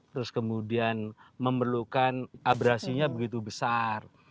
terus kemudian memerlukan abrasinya begitu besar